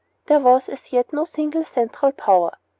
There was as yet no single central power.